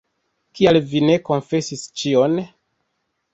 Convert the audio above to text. Kial vi ne konfesis ĉion?